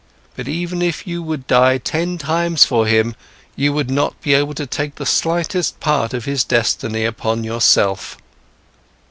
But even if you would die ten times for him, you would not be able to take the slightest part of his destiny upon yourself."